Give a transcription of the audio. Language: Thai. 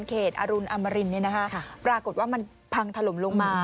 เขตอรุณอำรินปรากฏว่ามันพังทะลุมลงมา